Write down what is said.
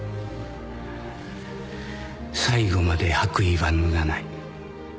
最後まで白衣は脱がない。